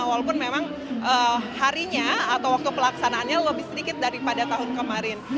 walaupun memang harinya atau waktu pelaksanaannya lebih sedikit daripada tahun kemarin